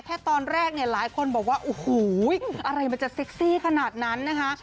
ตอนแรกเนี่ยหลายคนบอกว่าโอ้โหอะไรมันจะเซ็กซี่ขนาดนั้นนะคะ